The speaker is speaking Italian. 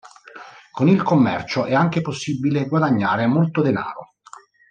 Con il commercio è anche possibile guadagnare molto denaro.